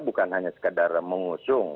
bukan hanya sekadar mengusung